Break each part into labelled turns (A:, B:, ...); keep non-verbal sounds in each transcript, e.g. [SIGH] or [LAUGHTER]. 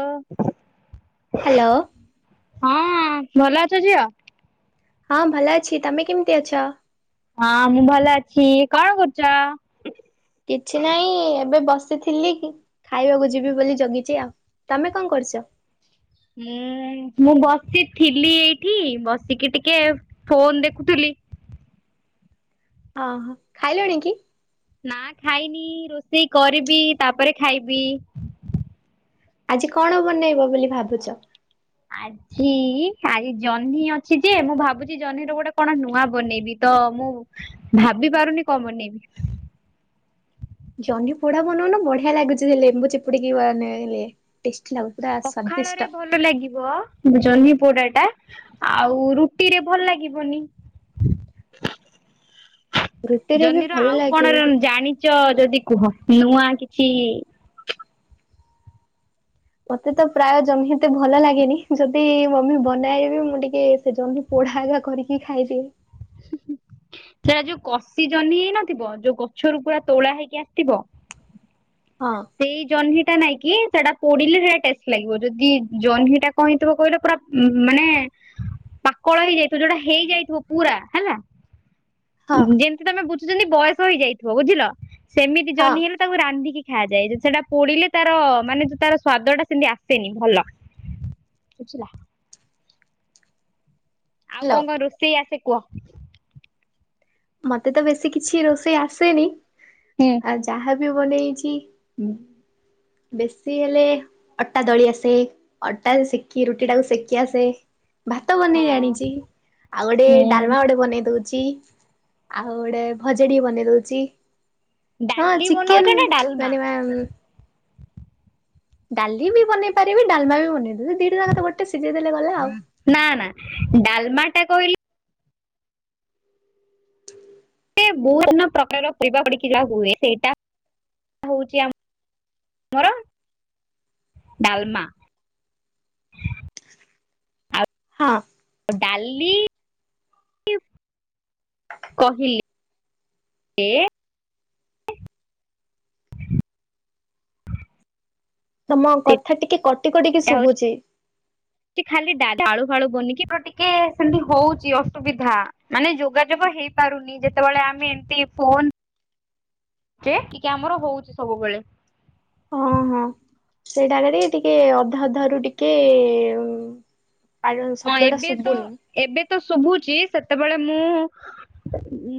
A: ଓ [UNINTELLIGIBLE]
B: hello.
A: ହଁ ଭଲ ଅଛ ଝିଅ?
B: ହଁ ଭଲ ଅଛି। ତମେ କେମିତି ଅଛ?
A: ହଁ ମୁଁ ଭଲ ଅଛି। କଣ କରୁଚ?
B: କିଛି ନାହିଁ ଏବେ ବସ୍ ଥିଲି ମ ଖାଇବାକୁ ଯିବି ବୋଲି ଜଗିଛି ଆଉ। ତମେ କଣ କରୁଛ?
A: ହୁଁ ମୁଁ ବସିଥିଲି ଏଇଠି ବସିକି ଟିକେ ଫୋନ ଦେଖୁଥିଲି।
B: ଆଁ ହ ଖାଇଲଣି କି?
A: ନା ଖାଇନି ରୋଷେଇ କରିବି ତାପରେ ଖାଇବି।
B: ଆଜି କଣ ବନେଇବ ବୋଲି ଭାବୁଛ?
A: ଆଛା। କି ଆଜି ଜହ୍ନି ଅଛି ଯେ ମୁଁ ଭାବୁଛି ଜହ୍ନି ର ଗୋଟେ କଣ ନୂଆ ବନେଇବି ତ ମୁଁ ଭାବିପାରୁନି କଣ ବନେଇବିି।
B: ଜହ୍ନି ପୋଡା ବନଉନ ବଢିଆ ଲାଗୁଛି ସେ ଲେମ୍ବୁ ଚିପୁଡିକିବାନେଇଲେ ଟେଷ୍ଟି ଲାଗୁଛି। ପୁରା ସନ୍ତିଷ୍ଟ।
A: ଭ ଲାଗିବ ଜହ୍ନି ପୋଡା ଟା ଆଉ ରୁଟିରେ ଭଲ ଲାଗିବନି।
B: [INAUDIBLE] ରୁଟିରେ ବି
A: ଜହ୍ନିର
B: ଭଲ
A: ଆଉ କଣ
B: ଲାଗିବ।
A: ଜାଣିଛ ଯଦି କୁହ ନୂଆ କିଛି?
B: ମତେ ତ ପ୍ରାୟ ଜହ୍ନି ଏତେ ଭଲ ଲାଗେନି ଯଦି ମମି ବନାଏବି ମୁଁ ଟିକେ ସେ। ପଢା ଆଗା କରିକି ଖାଇଦିଏ।
A: ସେଟା ଯୋଉ କଷି ଜହ୍ନି ହେଇନଥିବ ଯୋଉ ଗଛରୁ ପୁରା ତୋଳା ହେଇକି ଆସିଥିବ,
B: ହଁ।
A: ସେଇ ଜହ୍ନି ଟା ନାଇଁ କି ସେଟା ପୋଡିଲେ ସେଟା ଟେଷ୍ଟ ଲାଗିବ ଯଦି ଜହ୍ନିଟା। କଣ ହୋଇଥିବ କହିଲ ପୁରା ମାନେ?
B: [INAUDIBLE]
A: କଳ ହେଇଯାଇଥିବ ଯୋଉଟା ହେଇଯାଇଥିବ ପୁରା ହେଲା
B: ହଁ
A: ଯେମତି। ତମେ ବୁଝୁଛନ୍ତି ବୟସ ହେଇଯାଇଥିବ ବୁଝିଲ ସେମିତି
B: ହଁ
A: ଜହ୍ନି ହେଲେ ତାକୁ ରାନ୍ଧିକି। ଖିଆଯାଏ ଯେ ସେଟା ପୋଡିଲେ ତାର ମାନେ ତାର ସ୍ଵାଦ ଟା ସେମତି ଆସେନି ଭଲ। ବୁଝିଲା। ଆଉ
B: ହ୍ୟାଲୋ।
A: କଣ କଣ ରୋଷେଇ ଆସେ କୁହ?
B: ମତେ ତ ବେସି କିଛି ରୋଷେଇ ଆସେନି।
A: ହୁଁ।
B: ଆ ଯାହା ବି ବନେଇଛି। ବେସି ହେଲେ ଅଟା ଦଳି ଆସେ ଅଟା ସେକି ରୁଟି ଟାକୁ ସେକି ଆସେ। ଭାତ ବନେଇ ଯା
A: ହଁ
B: ଣିଛି ଆଉ ଗୋଟେ
A: ହୁଁ
B: ଡାଲମା ଗୋଟେ ବନେଇ ଦଉଛି। ଛି ଆଉ ଗୋଟେ ଭଜାଟିକେ ବନେଇ ଦଉଛି। ହଁ
A: ଡାଲି
B: ଚିକେନ
A: ବନଉଛ ନା ଡାଲମା
B: ଆଣି ବା। ଡାଲି ବି ବନେଇ ପାରିବି ଡାଲମା ବି ବନେଇଦେବି ଦିଟ ଜାକ ତ ଗୋଟେ ସିଝେଇ ଦେଲେ ଗଲା ଆଉ।
A: ନା ନା ଡାଲମା ଟା କହିଲେ। ବହୁନ ପ୍ରକାରର ପରିବା ପଡିକି ଯାହା ହୁଏ ସେଇଟା ହଉଛି ଆମ। ମୋର ଡାଲମା।
B: ହଁ।
A: ଡାଲି! କହିଲି ଏ।
B: ତମ କଥା ଟିକେ କଟି କଟିକି ଶୁଭୁଛି।
A: ସେ ଖାଲି ଡା ଢା ଆାଳୁ ଫାଳୁ ବନି କିି ଟିକେ ସେମିତି ହଉଛି ଅସୁବିଧା। ମାନେ ଯୋଗାଯୋଗ ହେଇପାରୁନି ଯେତେବେଳେ ଆମେ ଏମତି ଫୋନ, ଜେ ଟିକେ ଆମର ହଉଛି ସବୁବେଳେ।
B: ହଁ ହଁ ସେଇଟା କରି ଟିକେ ଅଧା ଅଧ ରୁ ଟିକେ। ଆର
A: ହଁ
B: ଶବ୍ଦ ଟା
A: ଏବେ ତ
B: ଶୁଭୁନି।
A: ଏବେ ତ ଶୁଭୁଛି ସେତେବେଳେ ମୁଁ।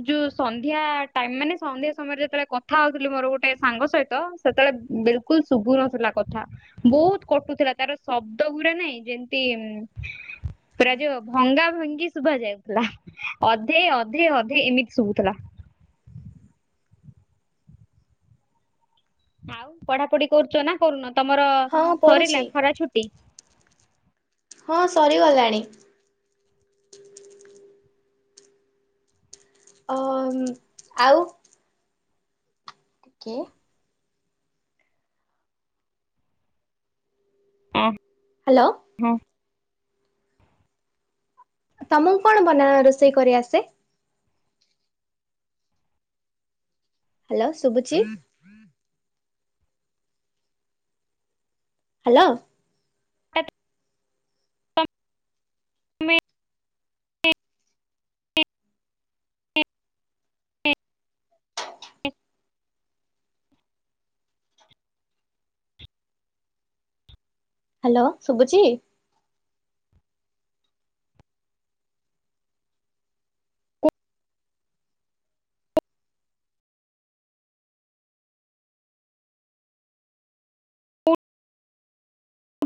A: ଯୋଉ ସନ୍ଧ୍ୟା ଟାଇମ ମାନେ ସନ୍ଧ୍ୟା ସମୟରେ ଯେତେବେଳେ କଥା ହଉଥିଲି ମୋର ଗୋଟେ ସାଙ୍ଗ ସହିତ, ସେତେବେଳେ ବିଲ୍‌କୁଲ୍‌ ଶୁଭୁ ନଥିଲା କଥା। ବହୁତ କଟୁଥିଲା ତାର ଶବ୍ଦ ଗୁଡା ନାଇଁ ଯେମିତି।
B: [INAUDIBLE]
A: ପୁରା ଯୋଉ ଭଙ୍ଗା ଭଙ୍ଗି ଶୁଭା ଯାଉଥିଲା ଅଧେ ଅଧେ ଅଧେ ଏମିତି ଶୁଭୁଥିଲା। ଆଉ ପଢା ପଢି କରୁଛ ନା କରୁନ ତମର
B: ହଁ
A: ସରିଲା
B: ପଢୁଛି।
A: ଖରା ଛୁଟି।
B: ହଁ ସରିଗଲାଣି। ଅ ଆଉ, କି?
A: ହଁ।
B: ହ୍ୟାଲୋ
A: ହଁ।
B: ତମକୁ କଣ ବନା ରୋଷେଇ କରିଆସେ? ହ୍ୟାଲୋ ଶୁବୁଚି? ହ୍ୟାଲୋ।
A: [UNINTELLIGIBLE]
B: [UNINTELLIGIBLE] ହ୍ୟାଲୋ ଶୁବୁଚି?